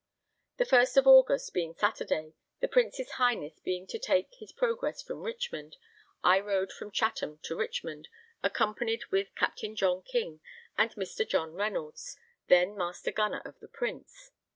The 1st of August, being Saturday, the Prince's Highness being to take his progress from Richmond, I rode from Chatham to Richmond, accompanied with Captain John King and Mr. John Reynolds, then master gunner of the Prince.